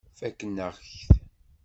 Fakken-ak-t.